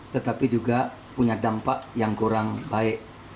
tetapi juga punya dampak yang kurang baik